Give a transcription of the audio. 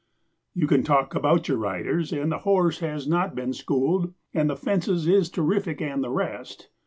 'You can talk about your riders and the horse has not been schooled, And the fences is terrific, and the rest!